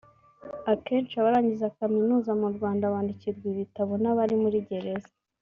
Akenshi abarangiza Kamunuza mu Rwanda bandikirwa ibitabo n’abari muri Gereza